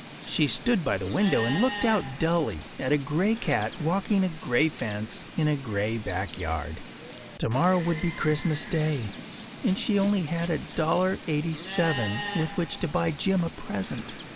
She stood by the window and looked out dully at a gray cat walking a gray fence in a gray backyard. Tomorrow would be Christmas Day, and she had only $1.87 with which to buy Jim a present.